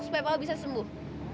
supaya papa bisa sembuh